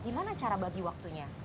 gimana cara bagi waktunya